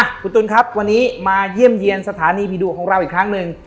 คุณตุ๋นครับวันนี้มาเยี่ยมเยี่ยมสถานีผีดุของเราอีกครั้งหนึ่ง